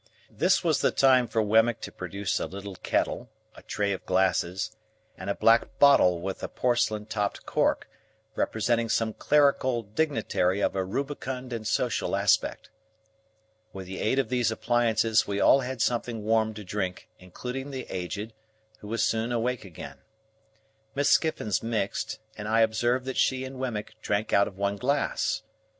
This was the time for Wemmick to produce a little kettle, a tray of glasses, and a black bottle with a porcelain topped cork, representing some clerical dignitary of a rubicund and social aspect. With the aid of these appliances we all had something warm to drink, including the Aged, who was soon awake again. Miss Skiffins mixed, and I observed that she and Wemmick drank out of one glass.